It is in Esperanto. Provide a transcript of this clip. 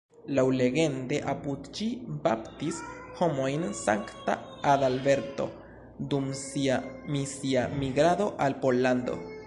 Laŭlegende apud ĝi baptis homojn Sankta Adalberto, dum sia misia migrado al Pollando.